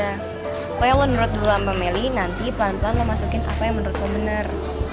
pokoknya lo menurut dulu sama meli nanti pelan pelan lo masukin apa yang menurut lo bener